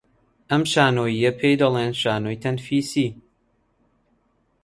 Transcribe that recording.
ئەم شانۆییە پێی دەڵێن شانۆی تەنفیسی